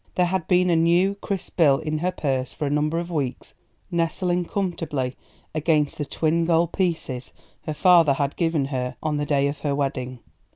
There had been a new, crisp bill in her purse for a number of weeks nestling comfortably against the twin gold pieces her father had given her on the day of her wedding.